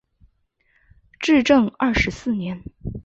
至正二十四年。